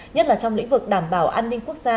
nhất là trong lĩnh vực đảm bảo an ninh quốc gia